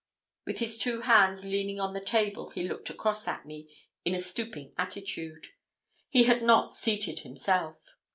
With his two hands leaning on the table, he looked across at me, in a stooping attitude; he had not seated himself.